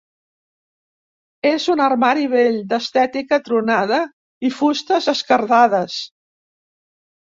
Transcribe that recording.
És un armari vell, d'estètica tronada i fustes esquerdades.